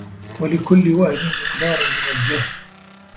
وَلِكُلِّ وَهْنٍ مِقْدَارٌ مِنْ الْجَهْلِ